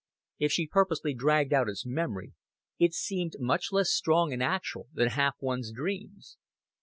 If she purposely dragged out its memory, it seemed much less strong and actual than half one's dreams.